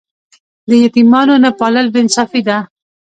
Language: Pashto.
د یتیمانو نه پالل بې انصافي ده.